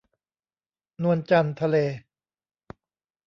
นวลจันทร์ทะเล